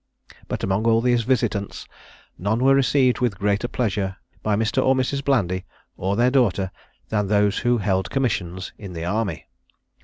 But among all these visitants, none were received with greater pleasure by Mr. or Mrs. Blandy, or their daughter, than those who held commissions in the army.